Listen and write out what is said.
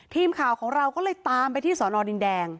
ทีมข่าวของเราก็เลยตามไปที่สอนอดินแดง